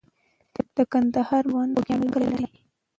د کندهار میوند د خوګیاڼیو کلی لري.